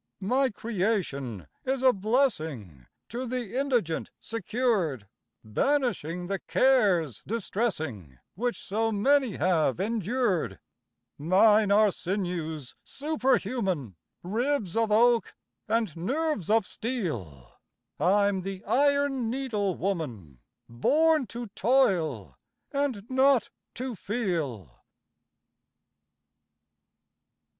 My creation is a blessing To the indigent secured, Banishing the cares distressing Which so many have endured: Mine are sinews superhuman, Ribs of oak and nerves of steel I'm the Iron Needle Woman Born to toil and not to feel.